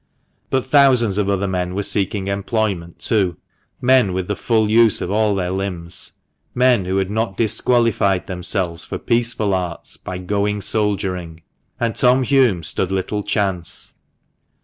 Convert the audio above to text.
But thousands of other men were seeking employment too — men with the full use of all their limbs — men who had not disqualified themselves for peaceful arts by "going soldiering," and Tom Hulme stood little chance.